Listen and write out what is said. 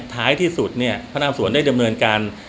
ท้ายที่สุดเนี่ยพนักสวนได้ดำเนินการ